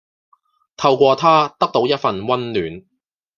透過它得到一份温暖